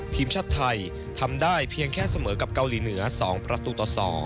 ทีมชาติไทยทำได้เพียงแค่เสมอกับเกาหลีเหนือ๒ประตูต่อ๒